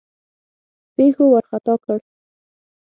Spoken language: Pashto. پیښو وارخطا کړ.